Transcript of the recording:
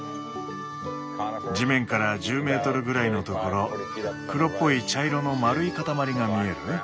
地面から１０メートルぐらいのところ黒っぽい茶色の丸い塊が見える？